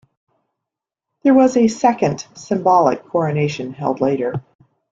There was a second symbolic coronation held later.